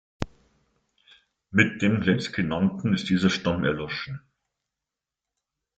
Mit dem letztgenannten ist dieser Stamm erloschen.